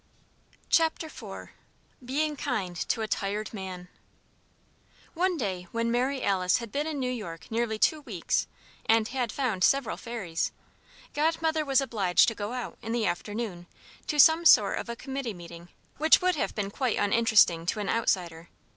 IV BEING KIND TO A TIRED MAN One day when Mary Alice had been in New York nearly two weeks and had found several fairies Godmother was obliged to go out, in the afternoon, to some sort of a committee meeting which would have been quite uninteresting to an outsider.